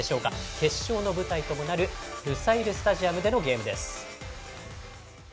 決勝の舞台ともなるルサイルスタジアムでのゲームです。